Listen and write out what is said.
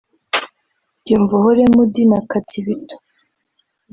Byumvuhore Muddy na Katibito